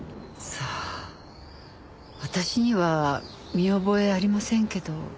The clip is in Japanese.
さあ私には見覚えありませんけど。